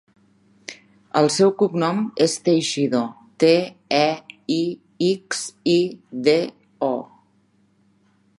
El seu cognom és Teixido: te, e, i, ics, i, de, o.